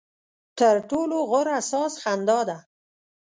ترټولو غوره ساز خندا ده.